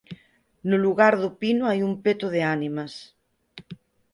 No lugar do Pino hai un peto de ánimas.